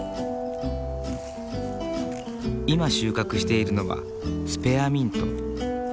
今収穫しているのはスペアミント。